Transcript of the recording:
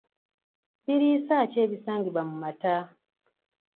Biriisa ki ebisangibwa mu mata?